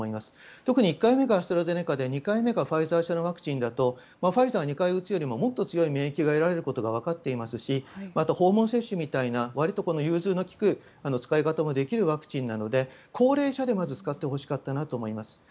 特に１回目がアストラゼネカで２回目がファイザー社のワクチンだとファイザー２回打つよりももっと強い免疫が得られることがわかっていますし訪問接種みたいなわりと融通の利く使い方もできるワクチンなので高齢者でまず使ってほしかったなと思います。